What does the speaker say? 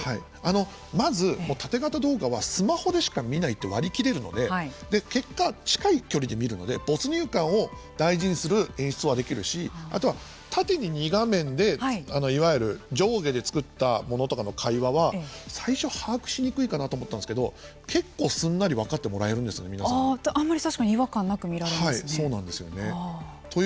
まず、タテ型動画はスマホでしか見ないって割り切れるので結果、近い距離で見るので没入感を大事にする演出はできるしあとは縦に２画面でいわゆる上下で作ったものとかの会話は最初、把握しにくいかなと思ったんですけど結構すんなり分かってあんまり確かにそうなんですよね。